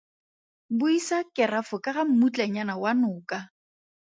Buisa kerafo ka ga mmutlanyana wa noka.